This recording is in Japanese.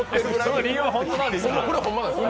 それ、理由本当なんですか？